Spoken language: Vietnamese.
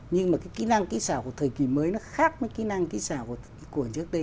nhưng mà cái kỹ năng kỹ xảo của thời kỳ mới nó khác với kỹ năng kỹ xảo của trước đây